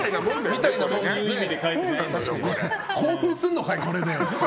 興奮すんのかい、これで。